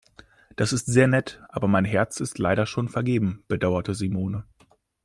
Das ist sehr nett, aber mein Herz ist leider schon vergeben, bedauerte Simone.